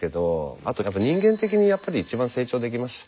あと人間的にやっぱり一番成長できました。